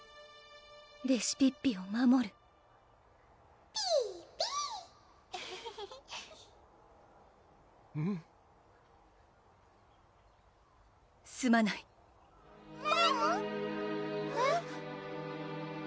レシピッピを守るピーピーすまないえっ？